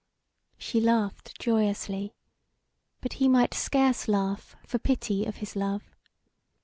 She laughed joyously; but he might scarce laugh for pity of his love.